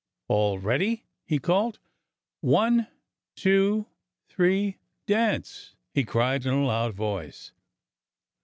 "All ready!" he called. "One, two, three dance!" he cried in a loud voice.